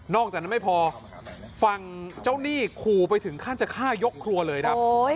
อกจากนั้นไม่พอฝั่งเจ้าหนี้ขู่ไปถึงขั้นจะฆ่ายกครัวเลยครับ